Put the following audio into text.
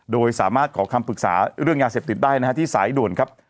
โดยสามารถขอคำปรึกษาเรื่องยาเสพติดได้นะฮะที่สายด่วนครับ